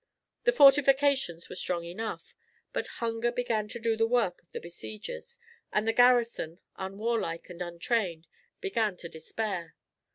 The fortifications were strong enough, but hunger began to do the work of the besiegers, and the garrison, unwarlike and untrained, began to despair.